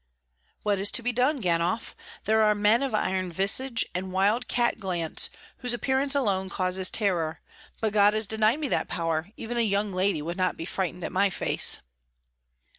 "What is to be done, Ganhoff? There are men of iron visage and wild cat glance, whose appearance alone causes terror; but God has denied me that power, even a young lady would not be frightened at my face."